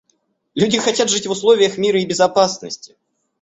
Люди хотят жить в условиях мира и безопасности.